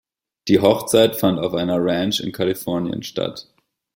Die Hochzeit fand auf einer Ranch in Kalifornien statt.